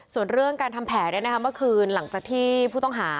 ส่วนเรื่องการทำแผนเมื่อคืนหลังจากที่ผู้ต้องหา